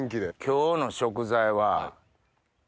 今日の食材は。